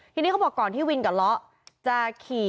ทีนี้เขาบอกก่อนที่วินกับล้อจะขี่